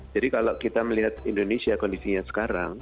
jadi kalau kita melihat indonesia kondisinya sekarang